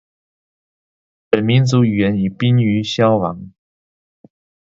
本民族语言已濒于消亡。